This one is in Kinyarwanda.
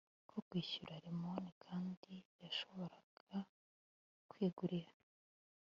yo kwishyura alimoni kandi yashoboraga kwigurira